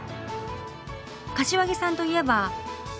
柏木さんといえば。